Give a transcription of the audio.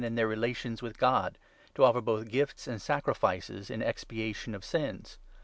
the;r relations wlth God( to Qffer both g}fts an(J sacrifices in expiation of sins.